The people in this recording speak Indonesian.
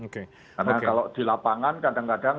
karena kalau di lapangan kadang kadang